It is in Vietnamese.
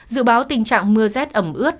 dự báo tình trạng mưa z ấm ướt